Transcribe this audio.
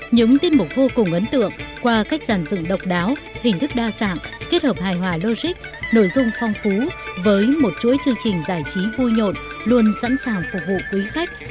những tiết mục vô cùng ấn tượng qua cách giàn dựng độc đáo hình thức đa dạng kết hợp hài hòa logic nội dung phong phú với một chuỗi chương trình giải trí vui nhộn luôn sẵn sàng phục vụ quý khách